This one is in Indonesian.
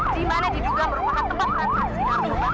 dimana diduga merupakan tempat pembalasan